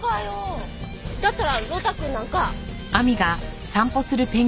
だったら呂太くんなんか。